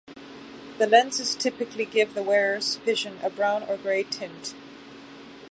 The lenses typically give the wearer's vision a brown or grey tint.